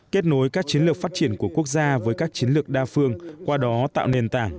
kết nối các chiến lược phát triển của quốc gia với các chiến lược đa phương qua đó tạo nền tảng